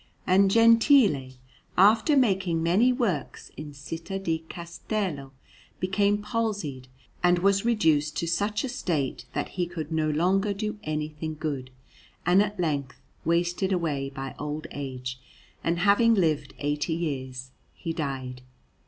And Gentile, after making many works in Città di Castello, became palsied, and was reduced to such a state that he could no longer do anything good; and at length, wasted away by old age, and having lived eighty years, he died.